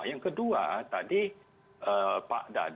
yang kedua tadi pak dadi